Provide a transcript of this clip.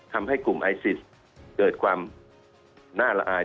ทำให้กลุ่มอายซิซเกิดความหน้าร้าย